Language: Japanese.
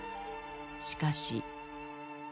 しかし。